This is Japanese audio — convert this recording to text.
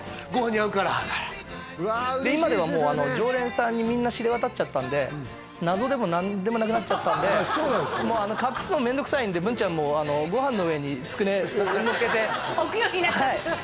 合うから今ではもう常連さんにみんな知れ渡っちゃったんで謎でも何でもなくなっちゃったんでもう隠すのめんどくさいんでぶんちゃんもご飯の上につくねのっけて置くようになっちゃった